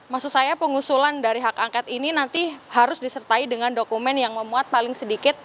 maksud saya pengusulan dari hak angket ini nanti harus disertai dengan dokumen yang memuat paling sedikit